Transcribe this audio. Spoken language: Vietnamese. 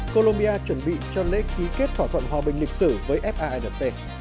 colombia chuẩn bị cho lễ ký kết thỏa thuận hòa bình lịch sử với fanc